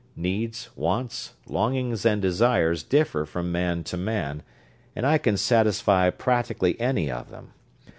Needs, wants, longings and desires differ from man to man, and I can satisfy practically any of them.